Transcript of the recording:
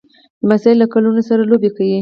لمسی له ګلونو سره لوبې کوي.